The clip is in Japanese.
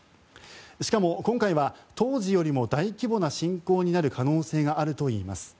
しかも今回は当時よりも大規模な侵攻になる可能性があるといいます。